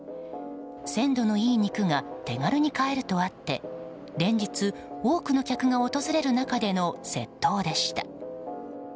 鮮度のいい肉が手軽に買えるとあって連日、多くの客が訪れる中での窃盗でした。